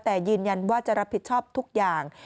แต่ยืนยันว่าจะรับผิดชอบทุกอย่าง